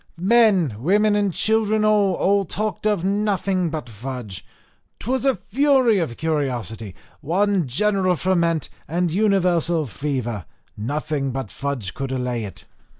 Men, women, and children all, all talked of nothing but fudge. 'Twas a fury of curiosity, one general ferment, and universal fever nothing but fudge could allay it.